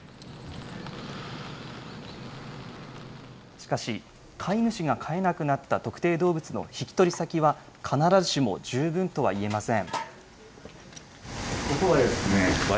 しかし、飼い主が飼えなくなった特定動物の引き取り先は、必ずしも十分とはいえません。